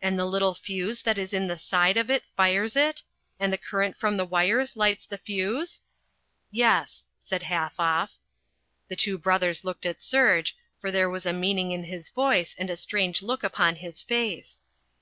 "And the little fuse that is in the side of it fires it? And the current from the wires lights the fuse?" "Yes," said Halfoff. The two brothers looked at Serge, for there was a meaning in his voice and a strange look upon his face.